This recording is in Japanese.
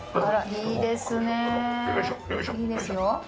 いいですよ。